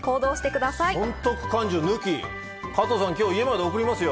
加藤さん、今日家まで送りますよ。